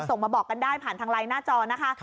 ส่งมาบอกกันได้ผ่านทางไลน์หน้าจอนะคะ